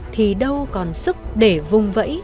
thì đâu còn sức để vùng vẫy